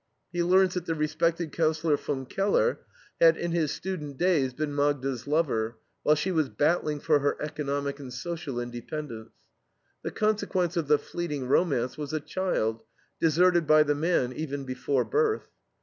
He learns that the respected Councillor Von Keller had in his student days been Magda's lover, while she was battling for her economic and social independence. The consequence of the fleeting romance was a child, deserted by the man even before birth.